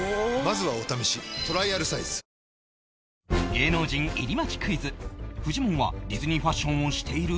芸能人入り待ちクイズフジモンはディズニーファッションをしている？